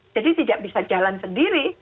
jadi tidak bisa jalan sendiri